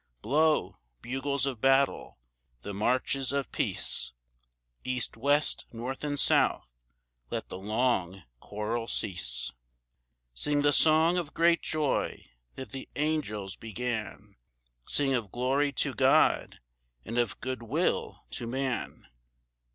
III. Blow, bugles of battle, the marches of peace; East, west, north, and south let the long quarrel cease Sing the song of great joy that the angels began, Sing of glory to God and of good will to man!